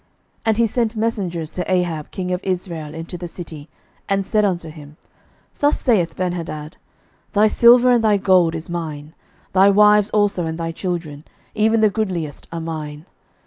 11:020:002 And he sent messengers to Ahab king of Israel into the city, and said unto him, Thus saith Benhadad, 11:020:003 Thy silver and thy gold is mine; thy wives also and thy children, even the goodliest, are mine.